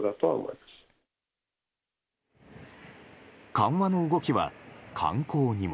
緩和の動きは、観光にも。